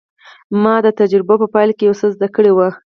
ما د تجربو په پايله کې يو څه زده کړي وو.